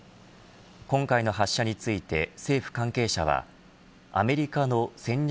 今回の発射について政府関係者はアメリカの戦略